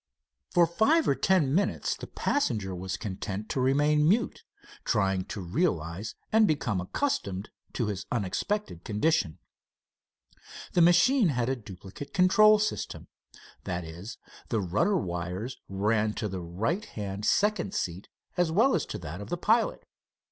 For five or ten minutes the passenger was content to remain mute, trying to realize and become accustomed to his unexpected condition. The machine had a duplicate control system. That is, the rudder wires ran to the right hand second seat as well as to that of the pilot.